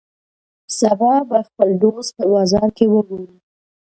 سبا به خپل دوست په بازار کی وګورم